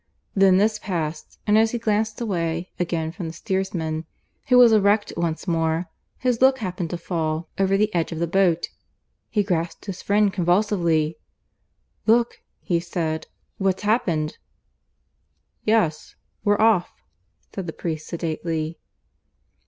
Then this passed, and as he glanced away again from the steersman, who was erect once more, his look happened to fall over the edge of the boat. He grasped his friend convulsively. "Look," he said, "what's happened?" "Yes, we're off," said the priest sedately.